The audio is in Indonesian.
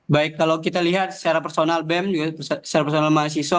baik kalau kita lihat secara personal bem juga secara personal mahasiswa